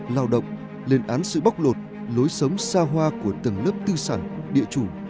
lao động lên án sự bóc lột lối sống xa hoa của tầng lớp tư sản địa chủ